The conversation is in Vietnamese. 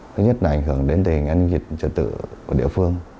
thứ nhất là ảnh hưởng đến tình hình nhân dịch trật tự của địa phương